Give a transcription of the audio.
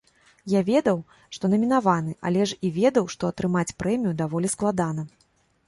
Я ведаў, што намінаваны, але ж і ведаў, што атрымаць прэмію даволі складана.